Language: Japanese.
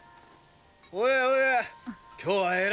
おやおや